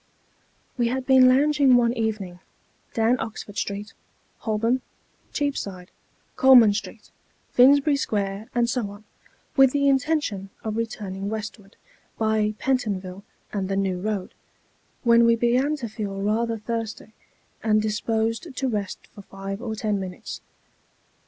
WE had been lounging one evening, down Oxford Street, Holborn, Cheapside, Coleman Street, Finsbury Square, and so on, with the in tention of returning westward, by Pentonville and the New Eoad, when we began to feel rather thirsty, and disposed to rest for five or ten minutes.